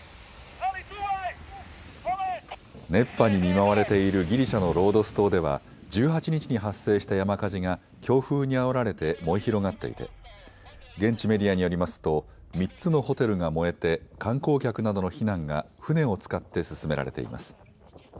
熱波に見舞われているギリシャのロードス島では１８日に発生した山火事が強風にあおられて燃え広がっていて現地メディアによりますと３つのホテルが燃えて観光客などの避難が船を使って進められています。